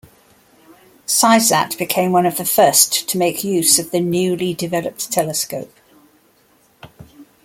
Cysat became one of the first to make use of the newly developed telescope.